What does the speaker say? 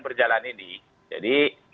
berjalan ini jadi